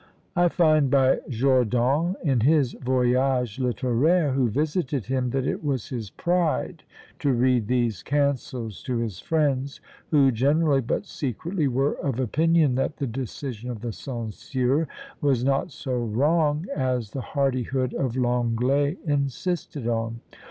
I find, by Jordan, in his Voyage Littéraire, who visited him, that it was his pride to read these cancels to his friends, who generally, but secretly, were of opinion that the decision of the censeur was not so wrong as the hardihood of Lenglet insisted on.